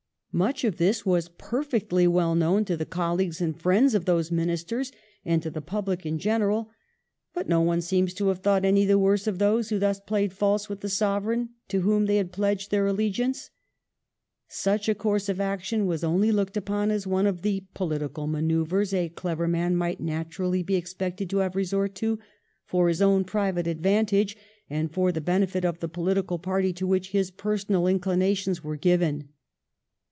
Much of this was perfectly well known to the colleagues and friends of those Ministers and to the public in general ; but no one seems to have thought any the worse of those who thus played false with the Sovereign to whom they had pledged their allegiance. Such a course of action was only looked upon as one of the political manoeuvres a clever man might naturally be expected to have resort to, for his own private advantage and for the benefit of the pohtical party to which his personal inchna tions were given.